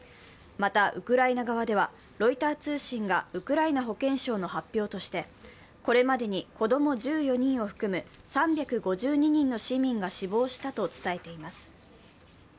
また、ウクライナ側ではロイター通信がウクライナ保健省の発表として、これまでに子供１４人を踏む３５２人の市民が死亡したと伝えています。